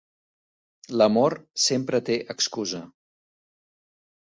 L'amor sempre té excusa.